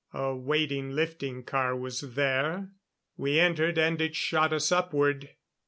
A waiting lifting car was there. We entered, and it shot us upward.